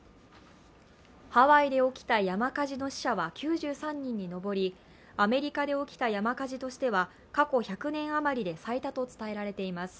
ハワイで起きた山火事の死者は９３人に上りアメリカで起きた山火事としては過去１００年あまりで最多と伝えられています。